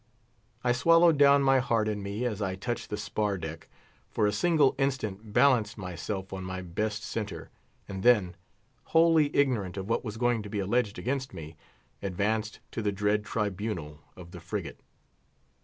I swallowed down my heart in me as I touched the spar deck, for a single instant balanced myself on my best centre, and then, wholly ignorant of what was going to be alleged against me, advanced to the dread tribunal of the frigate.